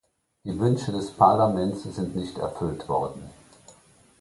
Die Wünsche des Parlaments sind nicht erfüllt worden.